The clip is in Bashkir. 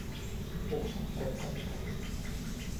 Уф, ҡурҡытты.